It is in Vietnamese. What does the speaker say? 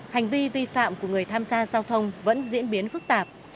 hành vi vi phạm của người tham gia giao thông vẫn diễn biến phức tạp